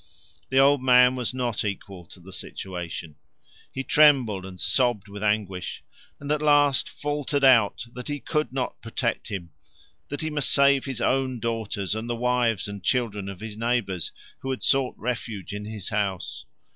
The old man was not equal to the situation: he trembled and sobbed with anguish, and at last faltered out that he could not protect him that he must save his own daughters and the wives and children of his neighbours who had sought refuge in his house.